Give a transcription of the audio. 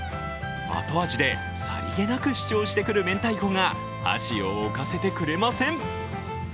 後味でさりげなく主張してくるめんたいこが、箸を置かせてくれません。